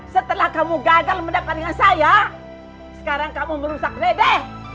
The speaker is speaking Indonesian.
setelah kamu gagal mendapat dengan saya sekarang kamu merusak dede